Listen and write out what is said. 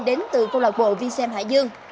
đến từ câu lạc bộ vinsem hải dương